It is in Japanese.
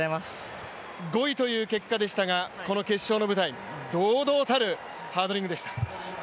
５位という結果でしたが、この決勝の舞台、堂々たるハードリングでした。